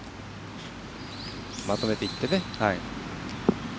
まとめていって。